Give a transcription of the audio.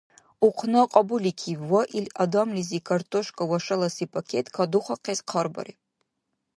Ухъна кьабуликиб ва ил адамлизи картошка ва шаласи пакет кадухахъес хъарбариб.